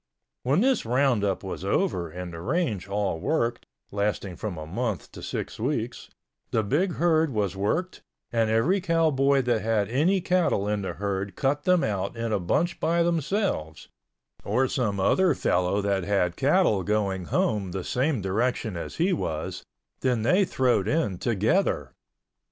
When this roundup was over and the range all worked, lasting from a month to six weeks, the big herd was worked and every cowboy that had any cattle in the herd cut them out in a bunch by themselves, or some other fellow that had cattle going home the same direction as he was, then they throwed in together.